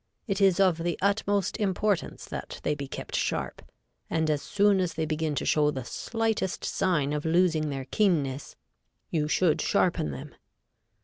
It is of the utmost importance that they be kept sharp, and as soon as they begin to show the slightest sign of losing their keenness, you should sharpen them.